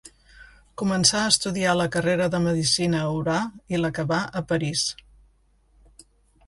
Començà a estudiar la carrera de Medicina a Orà i l'acabà a París.